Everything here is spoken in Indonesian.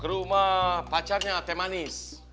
ke rumah pacarnya teh manis